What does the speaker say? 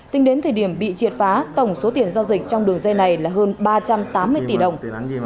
tính đến thời điểm bị triệt phá tổng số tiền giao dịch trong đường dây này là hơn ba trăm tám mươi tỷ đồng